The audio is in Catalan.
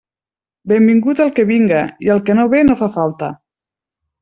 Benvingut el que vinga, i el que no ve no fa falta.